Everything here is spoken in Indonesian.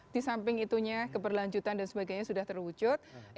disamping itunya keperlanjutan dan sebagainya sudah terlalu lama ya